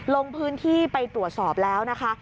ลงพื้นที่ไปตรวจสอบแล้วนะคะ